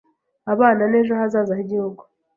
Abana ni ejo hazaza h’Igihugu,